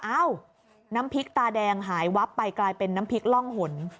น้ำพริกตาแดงหายวับไปกลายเป็นน้ำพริกร่องหน